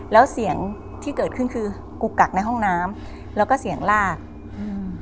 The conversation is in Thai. แล้วเสียงที่เกิดขึ้นคือกุกกักในห้องน้ำแล้วก็เสียงลากอืม